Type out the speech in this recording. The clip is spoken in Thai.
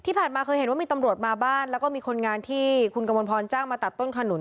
ที่ผ่านมาไม่เคยบ่น